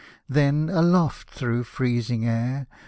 Then, aloft through freezing air.